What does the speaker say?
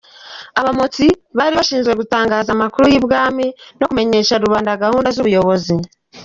Abamotsi :Bari bashinzwe itangazamakuru ry’i bwami, no kumenyesha rubanda gahunda z’ubuyobozi.